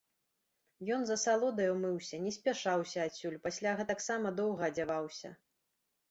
Ён з асалодаю мыўся, не спяшаўся адсюль, пасля гэтаксама доўга адзяваўся.